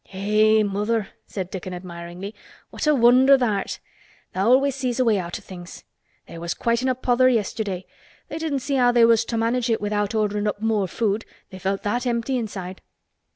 "Eh! mother!" said Dickon admiringly, "what a wonder tha' art! Tha' always sees a way out o' things. They was quite in a pother yesterday. They didn't see how they was to manage without orderin' up more food—they felt that empty inside."